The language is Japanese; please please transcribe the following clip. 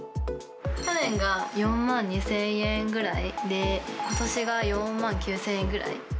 去年が４万２０００円ぐらいで、ことしが４万９０００円ぐらい。